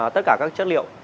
tất cả các chất liệu